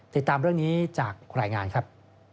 ติดตามเรื่องนี้จากรายงานครับ